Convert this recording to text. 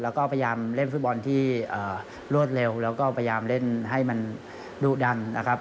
แล้วก็พยายามเล่นฟุตบอลที่รวดเร็วแล้วก็พยายามเล่นให้มันดุดันนะครับ